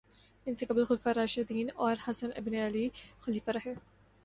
ان سے قبل خلفائے راشدین اور حسن ابن علی خلیفہ رہے